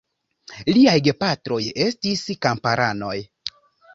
Liaj gepatroj estis kamparanoj.